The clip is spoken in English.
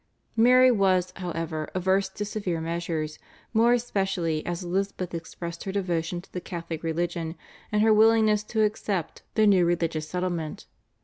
Mary was, however, averse to severe measures, more especially as Elizabeth expressed her devotion to the Catholic religion and her willingness to accept the new religious settlement.